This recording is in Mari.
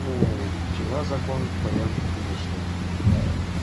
Чыла закон поян кидыште.